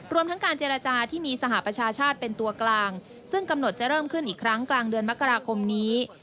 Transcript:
รวมทั้งการเจรจาที่มีสหประชาชาติเป็นตัวกลางซึ่งกำหนดจะเริ่มขึ้นอีกครั้งกลางเดือนมกราคมนี้